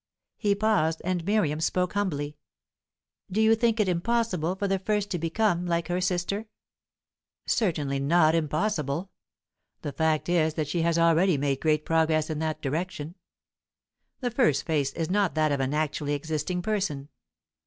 He paused, and Miriam spoke humbly. "Do you think it impossible for the first to become like her sister?" "Certainly not impossible. The fact is that she has already made great progress in that direction. The first face is not that of an actually existing person.